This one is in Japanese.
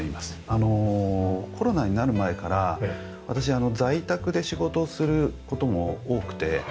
あのコロナになる前から私在宅で仕事をする事も多くてはい。